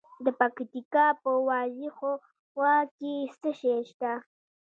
د پکتیکا په وازیخوا کې څه شی شته؟